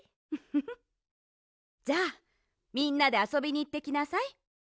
フフフじゃあみんなであそびにいってきなさい。